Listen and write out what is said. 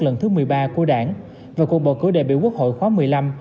lần thứ một mươi ba của đảng và cuộc bầu cử đại biểu quốc hội khóa một mươi năm